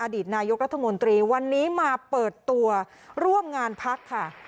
ดีตนายกรัฐมนตรีวันนี้มาเปิดตัวร่วมงานพักค่ะ